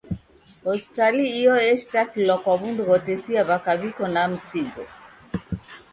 Hospitali iyo eshitakilwa kwa w'undu ghotesa w'aka w'iko na misigo.